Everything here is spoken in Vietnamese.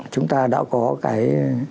chúng ta đã có cái